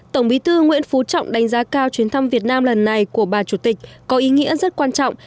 tổng bí thư nguyễn phú trọng đánh giá cao chuyến thăm việt nam lần này của bà chủ tịch có ý nghĩa rất quan trọng